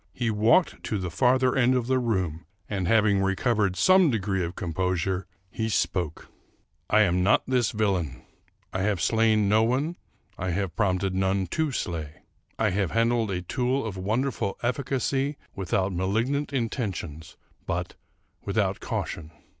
He walked to the farther end of the room, and, having recovered some de gree of composure, he spoke :—" I am not this villain. I have slain no one ; I have prompted none to slay ; I have handled a tool of wonder 285 American Mystery Stories ful efficacy without malignant intentions, but without cau tion.